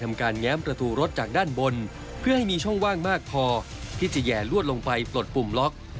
ไม่ได้มีช่องว่างมากพอที่จะแห่ลวดลงไปปลดปุ่มล็อก